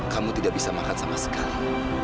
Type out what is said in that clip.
kamu tidak bisa makan sama sekali